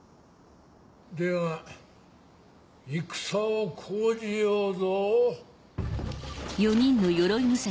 では戦を興じようぞ。